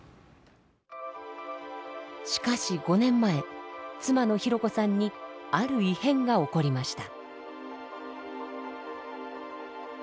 しかし５年前妻のひろこさんにある異変が起こりました。